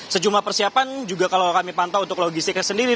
sejumlah persiapan juga kalau kami pantau untuk logistiknya sendiri